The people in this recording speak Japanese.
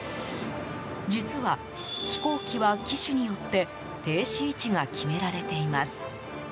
実は、飛行機は機種によって停止位置が決められています。